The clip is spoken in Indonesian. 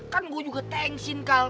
kan gue juga thanks in kal